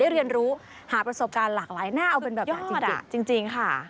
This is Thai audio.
ได้เรียนรู้หาประสบการณ์หลากหลายน่าเอาเป็นแบบยอดจริงจริงค่ะ